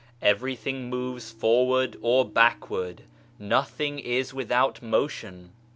Everything moves forward or backward, nothing is without motion.